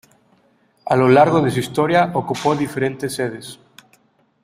A lo largo de su historia ocupó diferentes sedes.